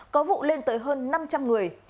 có vụ lên tới hơn năm trăm linh người